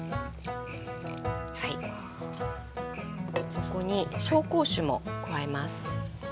そこに紹興酒も加えます。